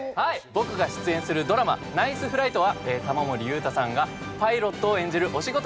僕が出演するドラマ『ＮＩＣＥＦＬＩＧＨＴ！』は玉森裕太さんがパイロットを演じるお仕事